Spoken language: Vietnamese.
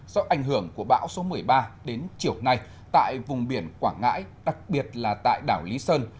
do ảnh hưởng của bão số một mươi ba đến chiều nay tại vùng biển quảng ngãi đặc biệt là tại đảo lý sơn